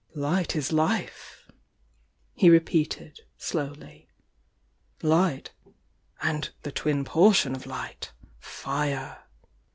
"Light is Life," he repeated, slowly. "Light— and the twin portion of Light,— Fire.